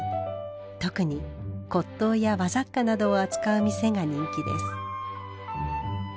特に骨董や和雑貨などを扱う店が人気です。